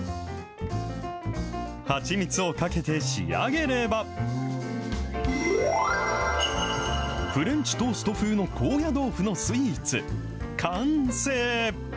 蜂蜜をかけて仕上げれば、フレンチトースト風の高野豆腐のスイーツ、完成。